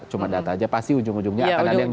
cuma data aja pasti ujung ujungnya akan ada yang